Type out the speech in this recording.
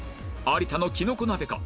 有田のきのこ鍋か？